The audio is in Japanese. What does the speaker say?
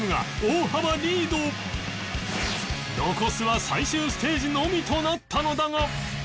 残すは最終ステージのみとなったのだが